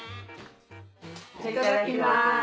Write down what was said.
いただきます！